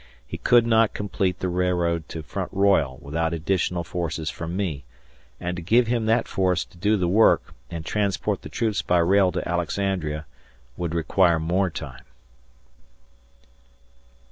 He could not complete the railroad to Front Royal without additional forces from me, and to give him that force to do the work and transport the troops by rail to Alexandria would require more time.